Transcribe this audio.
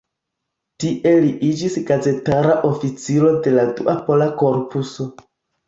Tie li iĝis gazetara oficiro de la Dua Pola Korpuso.